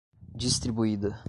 Distribuída